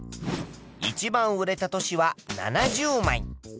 いちばん売れた年は７０枚。